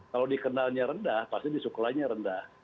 kalau dikenalnya rendah pasti disukainya rendah